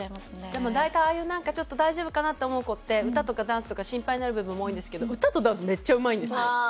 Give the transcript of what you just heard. でも大体ああいうちょっと大丈夫かなって思う子って歌とかダンスとか心配になる部分も多いんですけど歌とダンスめっちゃうまいんですよ。